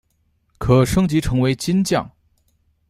可升级成为金将。